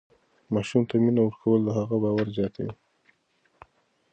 ماشوم ته مینه ورکول د هغه باور زیاتوي.